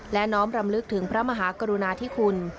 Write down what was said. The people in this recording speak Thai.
และน้อมรำลึกถึงพระมหากรุณาธิคุณ